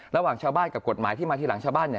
ระหว่างชาวบ้านกับกฎหมายที่มาทีหลังชาวบ้านเนี่ย